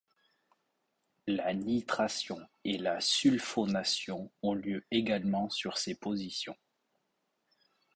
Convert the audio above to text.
La nitration et la sulfonation ont lieu également sur ces positions.